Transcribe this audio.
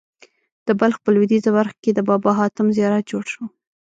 د بلخ په لوېدیځه برخه کې د بابا حاتم زیارت جوړ شو.